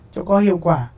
cho có hiệu quả